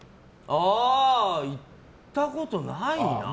行ったことないな。